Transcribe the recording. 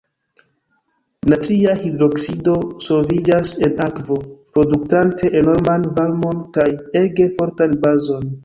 Natria hidroksido solviĝas en akvo, produktante enorman varmon kaj ege fortan bazon.